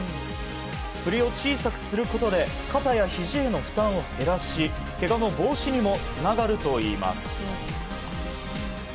ふりを小さくすることで肩やひじへの負担を減らし、けがの防止にもつながるといいます。